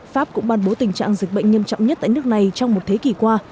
pháp cũng ban bố tình trạng dịch bệnh nghiêm trọng nhất tại nước này trong một thế kỷ qua